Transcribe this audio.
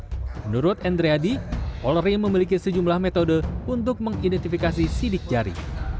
menurut andreadi polri memiliki sejumlah metode untuk mengidentifikasi sidik jari